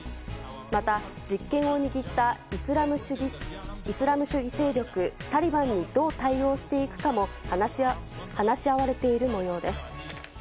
また実権を握ったイスラム主義勢力タリバンにどう対応していくかも話し合われている模様です。